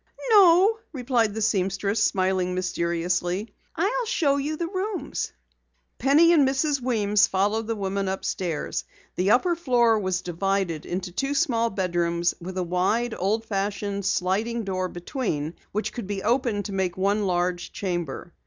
"No," replied the seamstress, smiling mysteriously. "I'll show you the rooms." Penny and Mrs. Weems followed the woman upstairs. The upper floor was divided into two small bedrooms with a wide, old fashioned sliding door between which could be opened to make one large chamber.